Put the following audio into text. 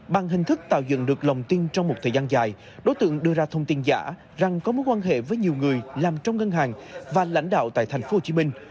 bằng hình thức tạo dựng được lòng tin trong một thời gian dài đối tượng đưa ra thông tin giả rằng có mối quan hệ với nhiều người làm trong ngân hàng và lãnh đạo tại thành phố hồ chí minh